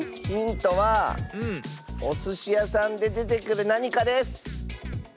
ヒントはおすしやさんででてくるなにかです。